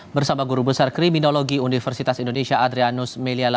bersama guru besar kriminologi universitas indonesia adrianus meliala